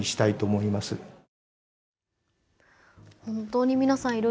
本当に皆さん